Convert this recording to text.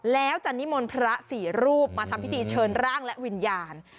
แล้วจะนิมนต์พระสี่รูปมาทำพิธีเชิญร่างและวิญญาณ